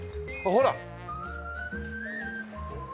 ほら。